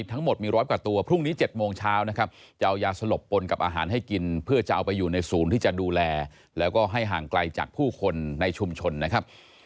ทั้งหมดมีร้อยกว่าตัวพรุ่งนี้๗โมงเช้านะครับจะเอายาสลบปนกับอาหารให้กินเพื่อจะเอาไปอยู่ในศูนย์ที่จะดูแลแล้วก็ให้ห่างไกลจากผู้คนในชุมชนนะครับ